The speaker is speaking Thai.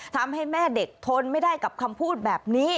ทำให้แม่เด็กทนไม่ได้กับคำพูดแบบนี้